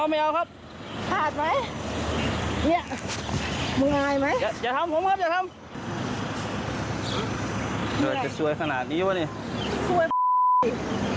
ไอ้บ้าจริง